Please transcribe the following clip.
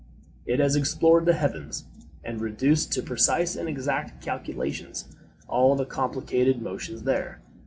It has explored the heavens, and reduced to precise and exact calculations all the complicated motions there.